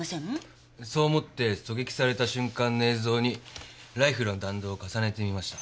そう思って狙撃された瞬間の映像にライフルの弾道を重ねてみました。